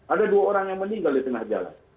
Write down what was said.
ada dua orang yang meninggal di tengah jalan